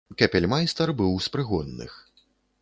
Капельмайстар быў з прыгонных.